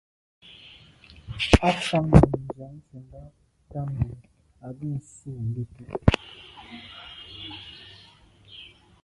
Á fáŋ nùm dìǎŋ ncúndá támzə̄ à ŋgə̂ sû ŋgə́tú’.